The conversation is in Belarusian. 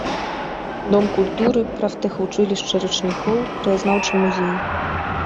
Дом культуры, прафтэхвучылішча рачнікоў, краязнаўчы музей.